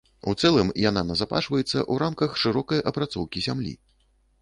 У цэлым яна назапашваецца ў рамках шырокай апрацоўкі зямлі.